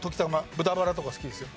豚バラとか好きですよ。